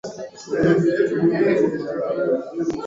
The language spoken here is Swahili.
utamaduni wa dola la moscow ulianguka